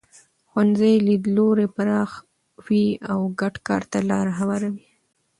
ښوونځي لیدلوري پراخوي او ګډ کار ته لاره هواروي.